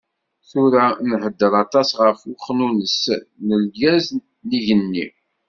Tura nhedder aṭas ɣef uxnunnes n lgaz n yigenni.